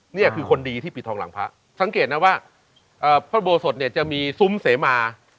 นี่คือคนดีที่ปิดทองหลังพระสังเกตนะว่าพระอุโบสถเนี่ยจะมีซุ้มเสมา